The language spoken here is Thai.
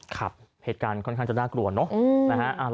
ครับเหตุการณ์ค่อนข้างจะน่ากลัวเนอะนะฮะ